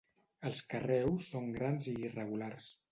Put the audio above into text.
Els carreus són grans i irregulars.